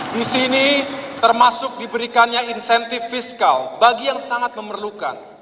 di sini termasuk diberikannya insentif fiskal bagi yang sangat memerlukan